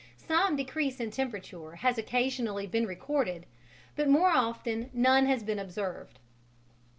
Some decrease in temperature has occasionally been recorded, but more often none has been observed."